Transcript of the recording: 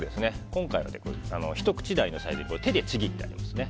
今回は、ひと口大のサイズに手でちぎってありますね。